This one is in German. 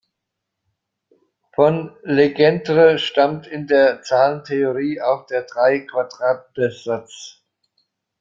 Von Legendre stammt in der Zahlentheorie auch der Drei-Quadrate-Satz.